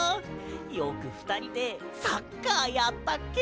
よくふたりでサッカーやったっけ。